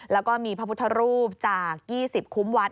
แล้วก็มีพระพุทธรูปจาก๒๐คุ้มวัด